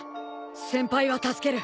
先輩は助ける。